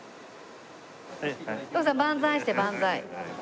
徳さん万歳して万歳。